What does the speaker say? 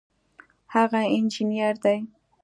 هغه انجینر دی